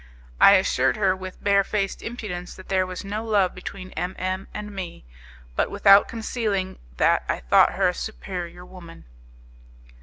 I assured her with barefaced impudence that there was no love between M M and me, but without concealing that I thought her a superior woman.